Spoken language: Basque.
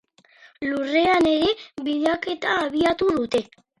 Lurrean ere bilaketa abiatu dute.